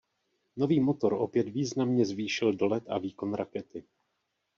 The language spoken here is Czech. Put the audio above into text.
Nový motor opět významně zvýšil dolet a výkon rakety.